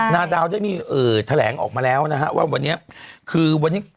นาดาวได้มีแถลงออกมาแล้วนะฮะว่าวันนี้คือวันนี้